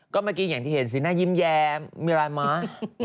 ก็เมื่อกี้อย่างที่เห็นสีหน้ายิ้มแย้มมีรายม้า